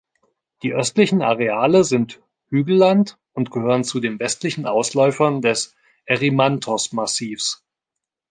Die östlichen Areale sind Hügelland und gehören zu den westlichen Ausläufern des Erymanthos-Massivs.